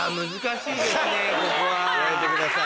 やめてください。